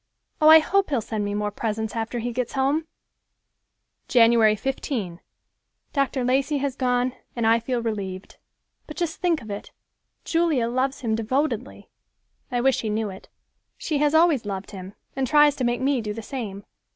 Oh, I hope he'll send me more presents after he gets home!" Jan. 15—"Dr. Lacey has gone and I feel relieved. But just think of it—Julia loves him devotedly. I wish he knew it. She has always loved him and tries to make me do the same.